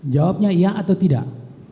jawabnya iya atau tidak